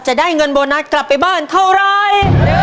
จะได้เงินโบนัสกลับไปบ้านเท่าไร